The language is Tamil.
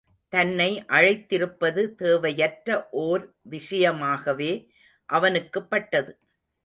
தன்னை அழைத்திருப்பது தேவையற்ற ஓர் விஷயமாகவே அவனுக்குப் பட்டது.